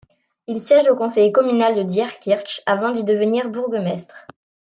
Il siège au conseil communal de Diekirch avant d'y devenir bourgmestre.